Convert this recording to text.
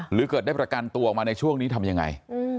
หรือเกิดได้ประกันตัวออกมาในช่วงนี้ทำยังไง